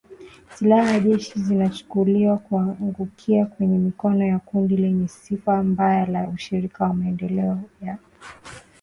Silaha za jeshi zinashukiwa kuangukia kwenye mikono ya kundi lenye sifa mbaya la Ushirika kwa Maendeleo ya Kongo,